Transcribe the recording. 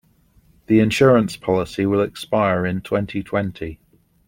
The insurance policy will expire in twenty-twenty.